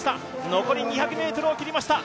残り２００ｍを切りました。